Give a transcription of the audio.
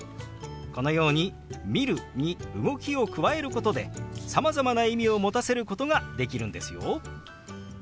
このように「見る」に動きを加えることでさまざまな意味を持たせることができるんですよ。